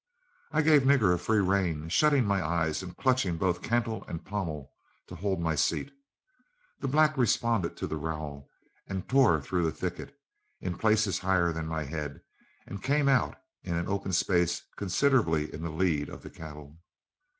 I gave Nigger a free rein, shutting my eyes and clutching both cantle and pommel to hold my seat; the black responded to the rowel and tore through the thicket, in places higher than my head, and came out in an open space considerably in the lead of the cattle.